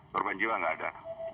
korban jiwa tidak ada